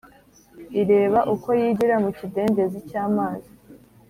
ireba uko yigira mu kidendezi cy’amazi.